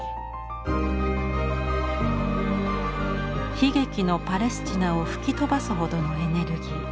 悲劇のパレスチナを吹き飛ばすほどのエネルギー。